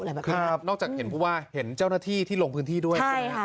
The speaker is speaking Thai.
นอกจากเห็นเห็นเจ้าหน้าที่ที่ลงพื้นที่ด้วย